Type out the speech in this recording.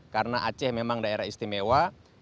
karena aceh memang daerah istimewa